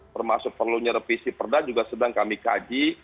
termasuk perlunya revisi perda juga sedang kami kaji